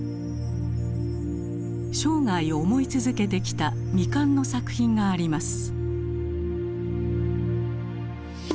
生涯思い続けてきた未完の作品があります。